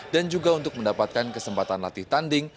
dan juga untuk mendapatkan kesempatan latih tanding